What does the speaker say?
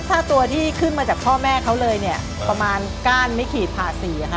ถ้าตัวที่ขึ้นมาจากพ่อแม่เขาเลยเนี่ยประมาณก้านไม่ขีดผ่าสี่ค่ะ